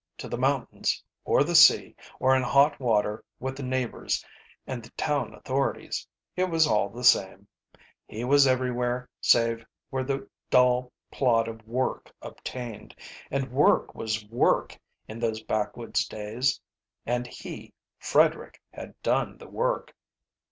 To the mountains or the sea, or in hot water with the neighbours and the town authorities it was all the same; he was everywhere save where the dull plod of work obtained. And work was work in those backwoods days, and he, Frederick, had done the work.